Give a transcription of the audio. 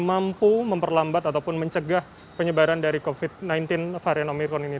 mampu memperlambat ataupun mencegah penyebaran dari covid sembilan belas varian omikron ini